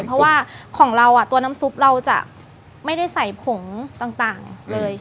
เพราะว่าของเราตัวน้ำซุปเราจะไม่ได้ใส่ผงต่างเลย